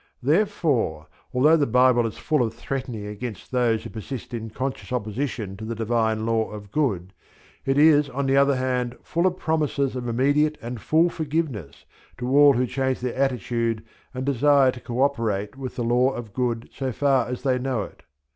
Therefore although the Bible is full of threatening against those who persist in conscious opposition to the Divine Law of Good, it is on the other hand full of promises of immediate and full forgiveness to all who change, their attitude and desire to co operate with the Law of Good so far as they know it.